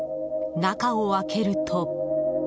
中を開けると。